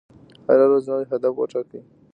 هره ورځ نوی هدف وټاکئ.